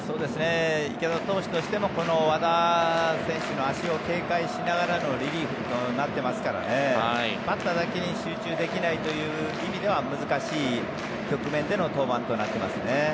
池田投手としてもこの和田選手の足を警戒しながらのリリーフとなっていますからねバッターだけに集中できないという意味では難しい局面での登板となりますね。